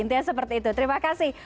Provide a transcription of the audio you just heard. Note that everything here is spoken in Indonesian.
intinya seperti itu terima kasih